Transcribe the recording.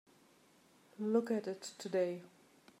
Look at it today.